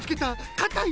かたい！